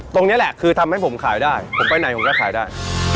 ตรงนี้แหละคือทำให้ผมขายได้ผมไปไหนผมก็ขายได้